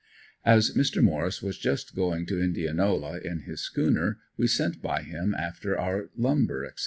As Mr. Morris was just going to Indianola in his schooner we sent by him after our lumber, etc.